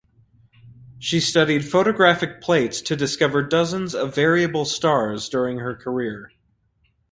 She studied photographic plates to discover dozens of variable stars during her career.